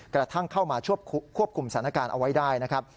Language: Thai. กระทั่งเข้ามาควบคุมสถานการณ์เอาไว้ได้นะครับ